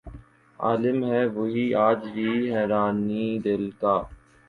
عالم ہے وہی آج بھی حیرانئ دل کا